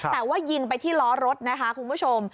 แต่ว่ายิงไปที่ล้อรถนะคะคุณผู้ชม